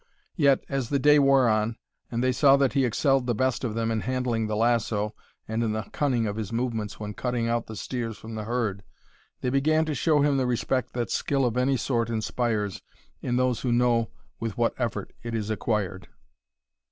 Yet, as the day wore on and they saw that he excelled the best of them in handling the lasso and in the cunning of his movements when cutting out the steers from the herd, they began to show him the respect that skill of any sort inspires in those who know with what effort it is acquired.